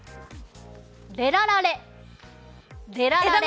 レララレ。